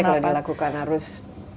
terus apa yang harus dilakukan